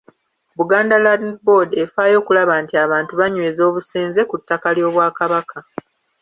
Buganda Land Board efaayo okulaba nti abantu banyweza obusenze ku ttaka ly’Obwakabaka.